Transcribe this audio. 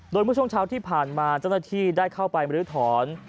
โดยเมื่อช่วงเช้าที่ผ่านมาเจ้าหน้าที่ได้เข้าไปมรื้อถอน